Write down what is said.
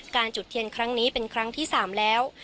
จุดเทียนครั้งนี้เป็นครั้งที่๓แล้ว